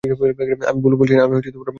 আমি ভুল বলছি না!